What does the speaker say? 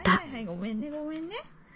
ごめんねごめんね。